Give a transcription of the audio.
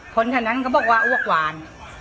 คนฉะนั้นก็บอกว่าอวกหวาน